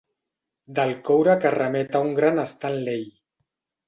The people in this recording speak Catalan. Del coure que remet a un gran Stanley.